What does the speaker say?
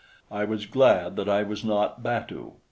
I was glad that I was not batu.